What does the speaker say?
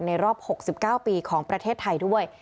รอบ๖๙ปีของประเทศไทยด้วย